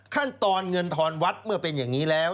ขั้นตอนเงินทอนวัดเมื่อเป็นอย่างนี้แล้ว